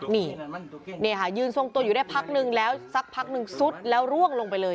นี่นี่ค่ะยืนทรงตัวอยู่ได้พักนึงแล้วสักพักนึงซุดแล้วร่วงลงไปเลย